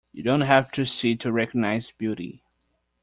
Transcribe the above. You don't have to see to recognize beauty.